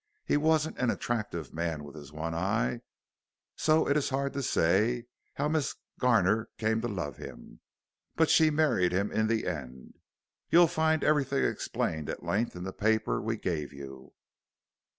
He wasn't an attractive man with his one eye, so it is hard to say how Miss Garner came to love him. But she married him in the end. You'll find everything explained at length in the paper we gave you.